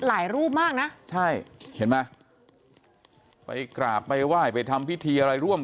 รูปมากนะใช่เห็นไหมไปกราบไปไหว้ไปทำพิธีอะไรร่วม